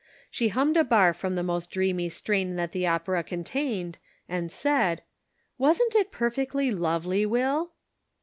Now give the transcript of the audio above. She hummed a bar from the most dreamy strain that the opera contained, and said :" Wasn't it perfectly lovely, Will